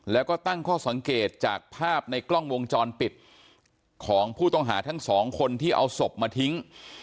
แล้วก็ตั้งข้อสังเกตจากภาพในกล้องวงจรปิดของผู้ต้องหาทั้งสองคนที่เอาศพมาทิ้ง